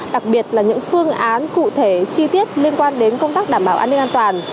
đặc biệt là những phương án cụ thể chi tiết liên quan đến công tác đảm bảo an ninh an toàn